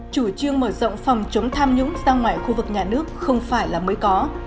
chủ trương mở rộng phòng chống tham nhũng ra ngoài khu vực nhà nước không phải là mới có